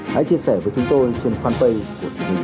hãy chia sẻ với chúng tôi trên fanpage của chúng tôi